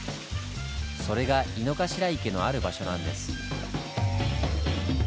それが井の頭池のある場所なんです。